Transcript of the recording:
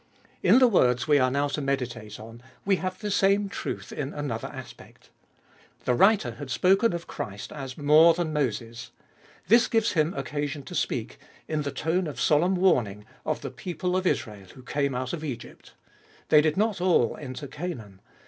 In the words we are now to meditate on we have the same truth in another aspect. The writer had spoken of Christ as more than Moses. This gives him occasion to speak, in the tone of solemn warning, of the people of Israel who came out of Egypt. They did not all enter Canaan.